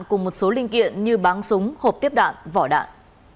cùng một số linh kiện như bán súng hộp tiếp đạn vỏ đạn